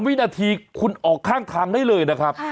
วินาทีคุณออกข้างทางได้เลยนะครับ